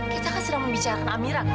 kita kan sudah membicarakan amira